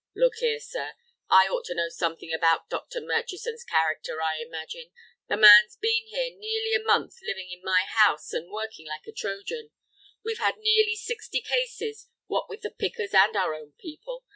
"Look here, sir, I ought to know something about Dr. Murchison's character, I imagine. The man's been here nearly a month, living in my house, and working like a Trojan. We've had nearly sixty cases, what with the pickers and our own people.